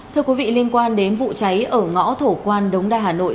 thưa quý vị liên quan đến vụ cháy ở ngõ thổ quan đống đa hà nội